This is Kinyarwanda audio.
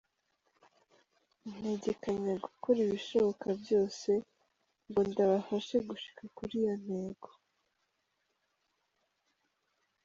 "Ntegekanya gukora ibishoboka vyose ngo ndabafashe gushika kuri iyo ntego.